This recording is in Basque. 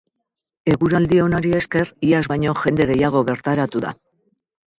Eguraldi onari esker, iaz baino jende gehiago bertaratu da.